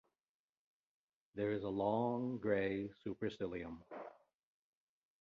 There is a long grey supercilium.